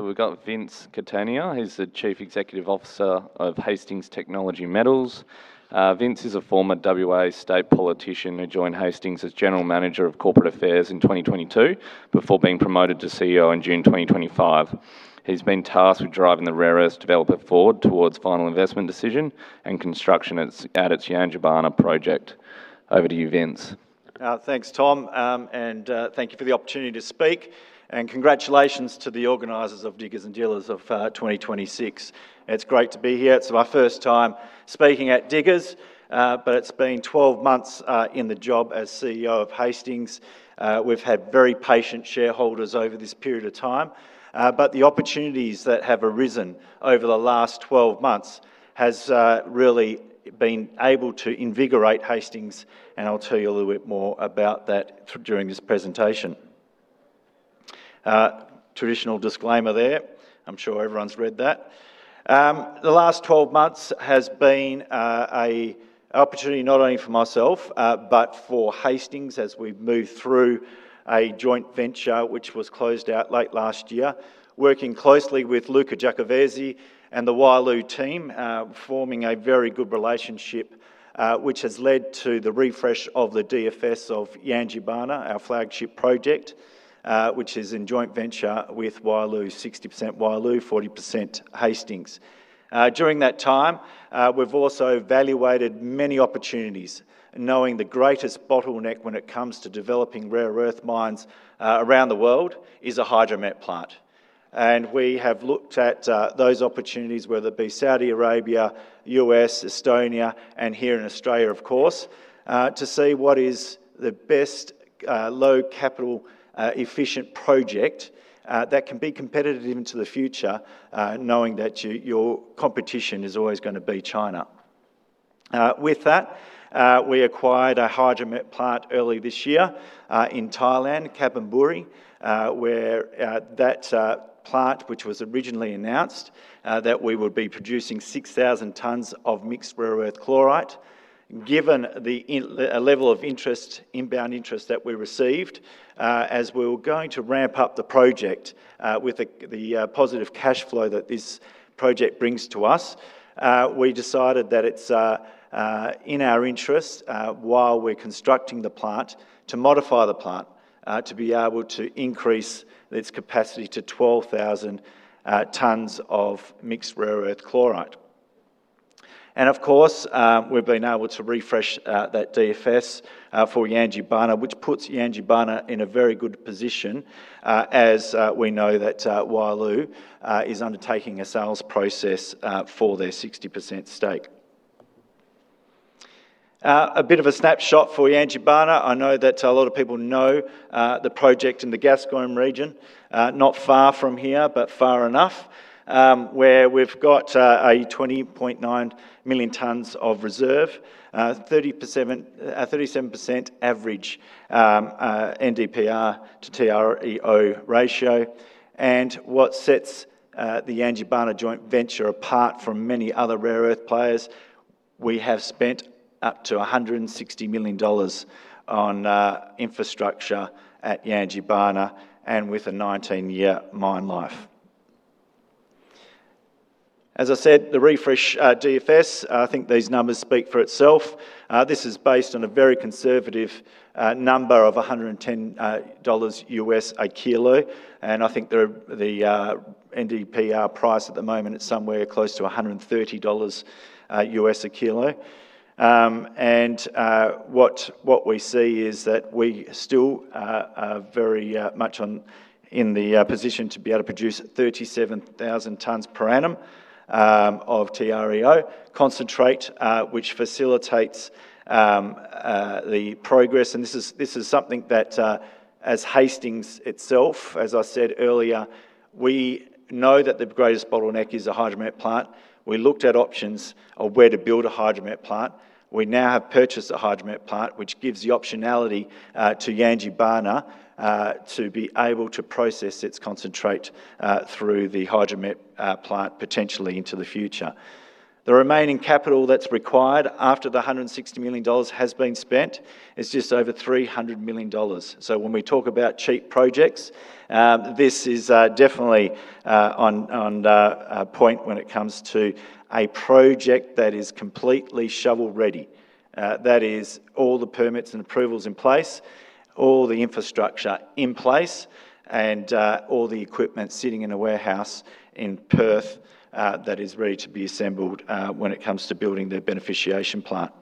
We've got Vince Catania, who's the Chief Executive Officer of Hastings Technology Metals. Vince is a former W.A. state politician who joined Hastings as General Manager of Corporate Affairs in 2022 before being promoted to CEO in June 2025. He's been tasked with driving the rare earths developer forward towards final investment decision and construction at its Yangibana project. Over to you, Vince. Thanks, Tom, and thank you for the opportunity to speak, and congratulations to the organizers of Diggers & Dealers of 2026. It's great to be here. It's my first time speaking at Diggers, but it's been 12 months in the job as CEO of Hastings. We've had very patient shareholders over this period of time. The opportunities that have arisen over the last 12 months has really been able to invigorate Hastings, and I'll tell you a little bit more about that during this presentation. Traditional disclaimer there. I'm sure everyone's read that. The last 12 months has been an opportunity not only for myself, but for Hastings as we've moved through a joint venture, which was closed out late last year, working closely with Luca Giacovazzi and the Wyloo team, forming a very good relationship, which has led to the refresh of the DFS of Yangibana, our flagship project, which is in joint venture with Wyloo, 60% Wyloo, 40% Hastings. During that time, we've also evaluated many opportunities knowing the greatest bottleneck when it comes to developing rare earth mines around the world is a hydromet plant. We have looked at those opportunities, whether it be Saudi Arabia, U.S., Estonia, and here in Australia, of course, to see what is the best low-capital efficient project that can be competitive into the future, knowing that your competition is always going to be China. With that, we acquired a hydromet plant early this year, in Thailand, Kabin Buri, where that plant, which was originally announced, that we would be producing 6,000 tons of mixed rare earth chloride. Given the level of inbound interest that we received, as we were going to ramp up the project, with the positive cash flow that this project brings to us, we decided that it's in our interest, while we're constructing the plant, to modify the plant, to be able to increase its capacity to 12,000 tons of mixed rare earth chloride. Of course, we've been able to refresh that DFS for Yangibana, which puts Yangibana in a very good position, as we know that Wyloo is undertaking a sales process for their 60% stake. A bit of a snapshot for Yangibana. I know that a lot of people know the project in the Gascoyne region, not far from here, but far enough, where we've got a 20.9 million tons of reserve, 37% average NdPr to TREO ratio. What sets the Yangibana joint venture apart from many other rare earth players, we have spent up to 160 million dollars on infrastructure at Yangibana and with a 19-year mine life. As I said, the refresh DFS, I think these numbers speak for itself. This is based on a very conservative number of 110 US dollars a kilo, I think the NdPr price at the moment is somewhere close to 130 US dollars a kilo. What we see is that we still are very much in the position to be able to produce 37,000 tons per annum of TREO concentrate, which facilitates the progress. This is something that, as Hastings itself, as I said earlier, we know that the greatest bottleneck is a hydromet plant. We looked at options of where to build a hydromet plant. We now have purchased a hydromet plant, which gives the optionality to Yangibana, to be able to process its concentrate through the hydromet plant potentially into the future. The remaining capital that's required after the 160 million dollars has been spent is just over 300 million dollars. When we talk about cheap projects, this is definitely on point when it comes to a project that is completely shovel-ready. That is all the permits and approvals in place, all the infrastructure in place, and all the equipment sitting in a warehouse in Perth, that is ready to be assembled, when it comes to building the beneficiation plant.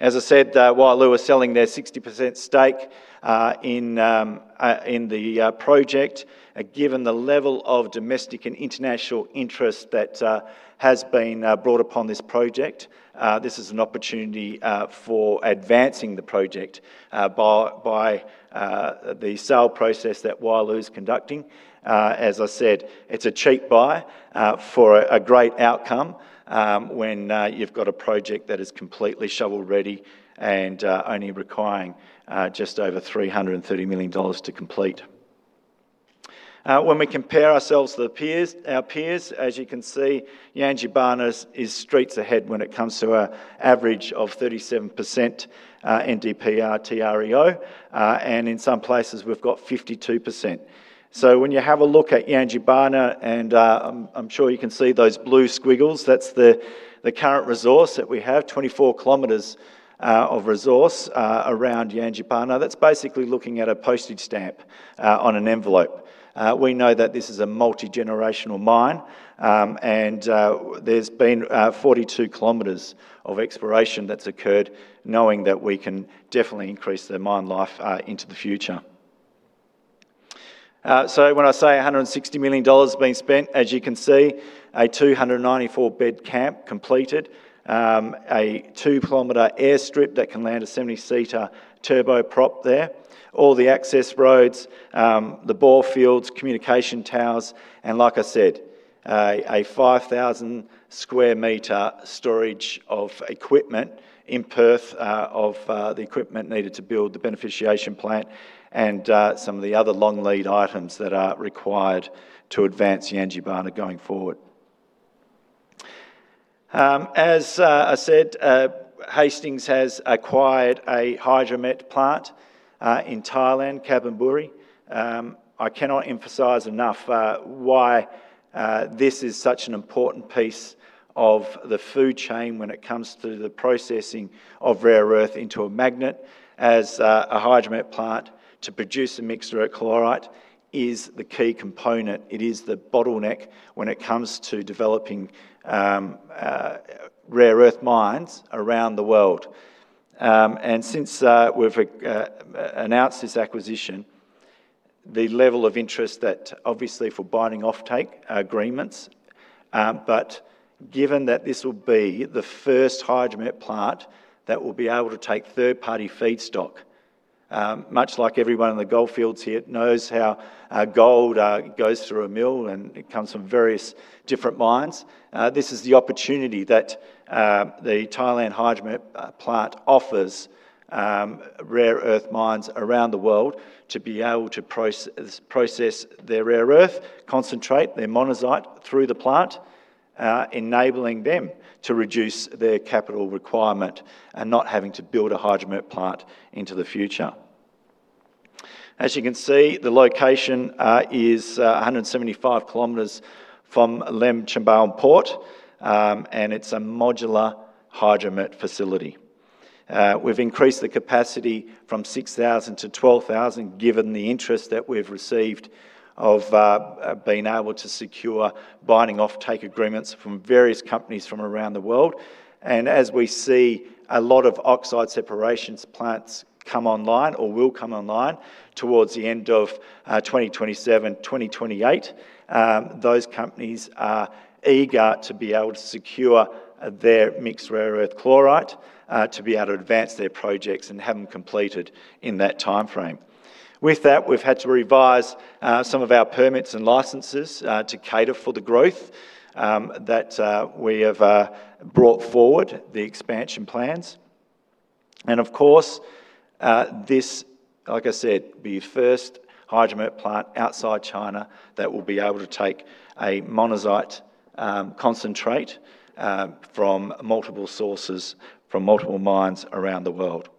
As I said, Wyloo are selling their 60% stake in the project. Given the level of domestic and international interest that has been brought upon this project, this is an opportunity for advancing the project, by the sale process that Wyloo is conducting. As I said, it's a cheap buy for a great outcome, when you've got a project that is completely shovel-ready and only requiring just over 330 million dollars to complete. When we compare ourselves to our peers, as you can see, Yangibana is streets ahead when it comes to an average of 37% NdPr TREO, and in some places we've got 52%. When you have a look at Yangibana, I'm sure you can see those blue squiggles, that's the current resource that we have, 24 km of resource around Yangibana. That's basically looking at a postage stamp on an envelope. We know that this is a multi-generational mine, there's been 42 km of exploration that's occurred knowing that we can definitely increase the mine life into the future. When I say 160 million dollars has been spent, as you can see, a 294-bed camp completed, a 2 km airstrip that can land a 70-seater turboprop there. All the access roads, the bore fields, communication towers, and like I said, a 5,000 sq m storage of equipment in Perth of the equipment needed to build the beneficiation plant and some of the other long-lead items that are required to advance Yangibana going forward. As I said, Hastings has acquired a hydromet plant in Thailand, Kabin Buri. I cannot emphasize enough why this is such an important piece of the food chain when it comes to the processing of rare earth into a magnet as a hydromet plant to produce a mixed rare earth chloride is the key component. It is the bottleneck when it comes to developing rare earth mines around the world. Since we've announced this acquisition, the level of interest that obviously for binding offtake agreements, given that this will be the first hydromet plant that will be able to take third-party feedstock. Much like everyone in the gold fields here knows how gold goes through a mill and it comes from various different mines. This is the opportunity that the Thailand hydromet plant offers rare earth mines around the world to be able to process their rare earth, concentrate their monazite through the plant, enabling them to reduce their capital requirement and not having to build a hydromet plant into the future. As you can see, the location is 175 km from Laem Chabang Port, it's a modular hydromet facility. We've increased the capacity from 6,000-12,000, given the interest that we've received of being able to secure binding offtake agreements from various companies from around the world. As we see a lot of oxide separation plants come online or will come online towards the end of 2027, 2028, those companies are eager to be able to secure their mixed rare earth chloride to be able to advance their projects and have them completed in that timeframe. With that, we've had to revise some of our permits and licenses to cater for the growth that we have brought forward the expansion plans. Of course, this, like I said, will be the first hydromet plant outside China that will be able to take a monazite concentrate from multiple sources, from multiple mines around the world.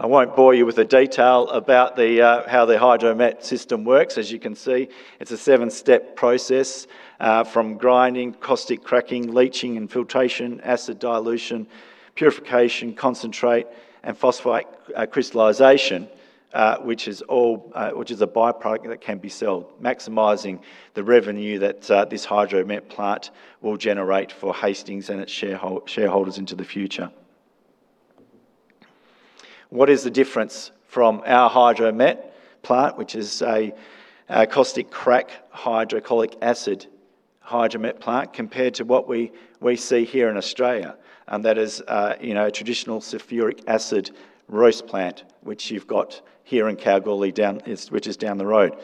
I won't bore you with the detail about how the hydromet system works. As you can see, it's a seven-step process from grinding, caustic cracking, leaching, filtration, acid dilution, purification, concentrate, and phosphate crystallization, which is a byproduct that can be sold, maximizing the revenue that this hydromet plant will generate for Hastings and its shareholders into the future. What is the difference from our hydromet plant, which is a caustic crack hydrochloric acid hydromet plant, compared to what we see here in Australia? That is a traditional sulfuric acid roast plant, which you've got here in Kalgoorlie, which is down the road.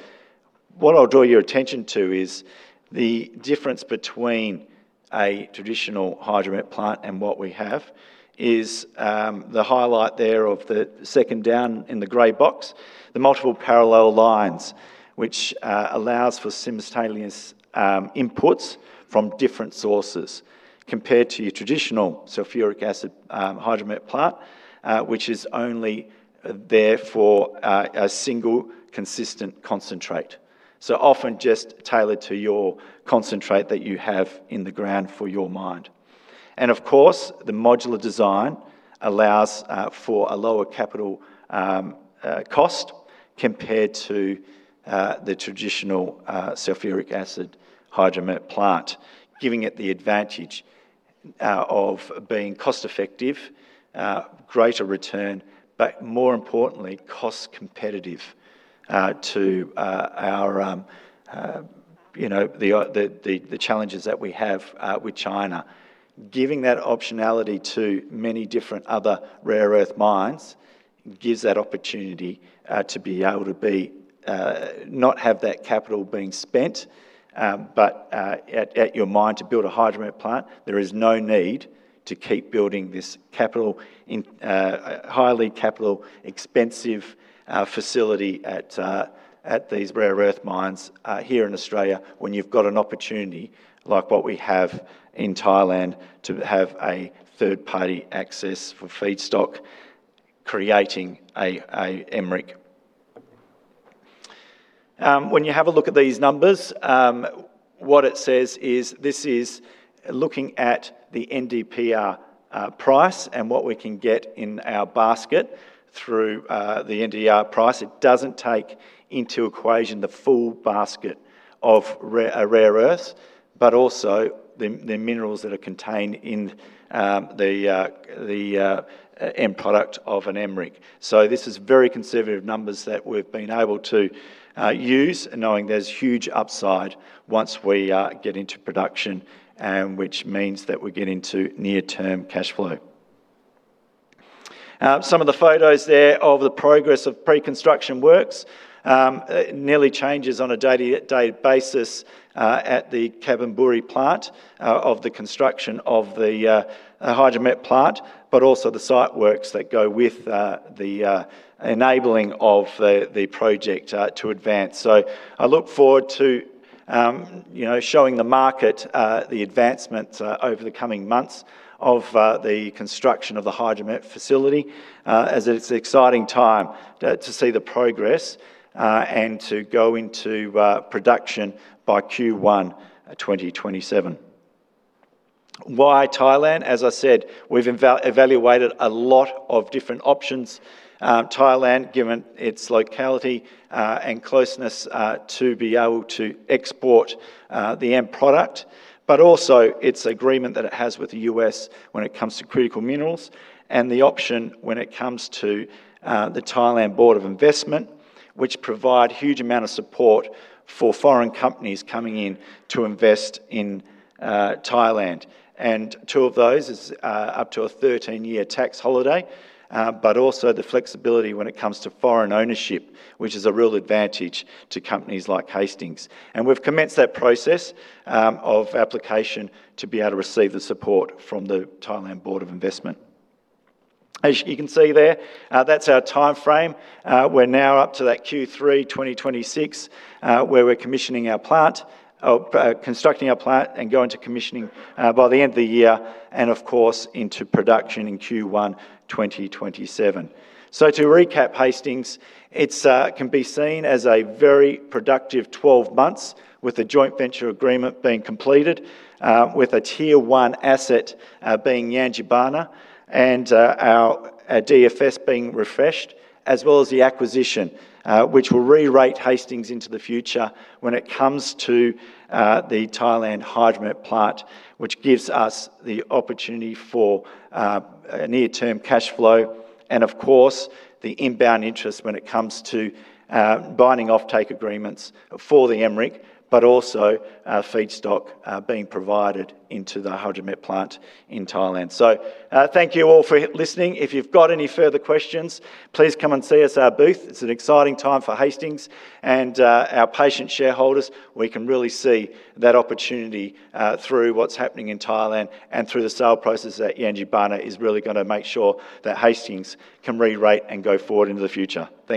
What I'll draw your attention to is the difference between a traditional hydromet plant and what we have is the highlight there of the second down in the gray box, the multiple parallel lines, which allows for simultaneous inputs from different sources, compared to your traditional sulfuric acid hydromet plant, which is only there for a single consistent concentrate. Often just tailored to your concentrate that you have in the ground for your mine. Of course, the modular design allows for a lower capital cost compared to the traditional sulfuric acid hydromet plant, giving it the advantage of being cost-effective, greater return, more importantly, cost-competitive to the challenges that we have with China. Giving that optionality to many different other rare earth mines gives that opportunity to be able to not have that capital being spent, but at your mine to build a hydromet plant. There is no need to keep building this highly capital expensive facility at these rare earth mines here in Australia when you've got an opportunity like what we have in Thailand to have a third-party access for feedstock, creating a MREC. When you have a look at these numbers, what it says is this is looking at the NdPr price and what we can get in our basket through the NdPr price. It doesn't take into equation the full basket of a rare earths, but also the minerals that are contained in the end product of an MREC. This is very conservative numbers that we've been able to use, knowing there's huge upside once we get into production, which means that we get into near-term cash flow. Some of the photos there of the progress of pre-construction works. It nearly changes on a day-to-day basis at the Kabin Buri plant of the construction of the hydromet plant, but also the site works that go with the enabling of the project to advance. I look forward to showing the market the advancement over the coming months of the construction of the hydromet facility, as it's an exciting time to see the progress and to go into production by Q1 2027. Why Thailand? As I said, we've evaluated a lot of different options. Thailand, given its locality and closeness to be able to export the end product, but also its agreement that it has with the U.S. when it comes to critical minerals and the option when it comes to the Thailand Board of Investment, which provide huge amount of support for foreign companies coming in to invest in Thailand. Two of those is up to a 13-year tax holiday, but also the flexibility when it comes to foreign ownership, which is a real advantage to companies like Hastings. We've commenced that process of application to be able to receive the support from the Thailand Board of Investment. As you can see there, that's our timeframe. We're now up to that Q3 2026, where we're constructing our plant and go into commissioning by the end of the year and, of course, into production in Q1 2027. To recap Hastings, it can be seen as a very productive 12 months with the joint venture agreement being completed, with a Tier 1 asset being Yangibana and our DFS being refreshed, as well as the acquisition, which will re-rate Hastings into the future when it comes to the Thailand hydromet plant, which gives us the opportunity for a near-term cash flow and, of course, the inbound interest when it comes to binding offtake agreements for the MREC. Also, feedstock being provided into the hydromet plant in Thailand. Thank you all for listening. If you've got any further questions, please come and see us at our booth. It's an exciting time for Hastings and our patient shareholders. We can really see that opportunity through what's happening in Thailand and through the sale process at Yangibana is really going to make sure that Hastings can re-rate and go forward into the future. Thank you